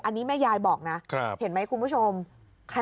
อันนี้แม่ยายบอกนะเห็นไหมคุณผู้ชม